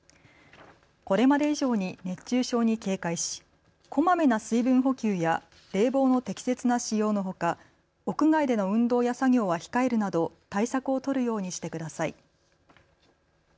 これまで以上に熱中症に警戒しこまめな水分補給や冷房の適切な使用のほか屋外での運動や作業は控えるなど対策を取るようにしてください。